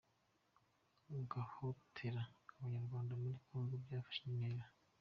Guhohotera Abanyarwanda muri Kongo byafashe indi ntera